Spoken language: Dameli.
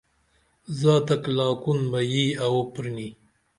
زاتک لاکون بہ ییی اوو پرینی